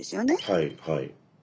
はいはい。